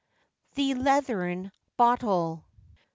THE LEATHERN BOTTEL.